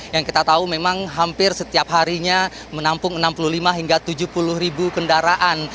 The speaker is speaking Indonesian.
yang kita tahu memang hampir setiap harinya menampung enam puluh lima hingga tujuh puluh ribu kendaraan